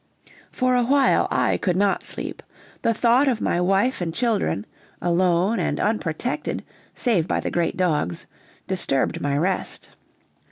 For a while I could not sleep; the thought of my wife and children alone and unprotected, save by the great dogs disturbed my rest.